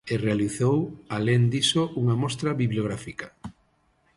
E realizou, alén diso, unha mostra bibliográfica.